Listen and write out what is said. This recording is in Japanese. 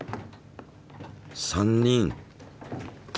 ３人。